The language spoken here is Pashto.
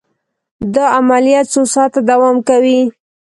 دا عملیه څو ساعته دوام کوي.